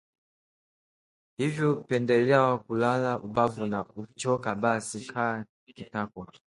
Hivyo pendelea kulala ubavu na ukichoka basi kaa kitako